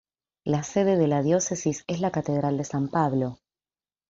La sede de la Diócesis es la Catedral de San Pablo.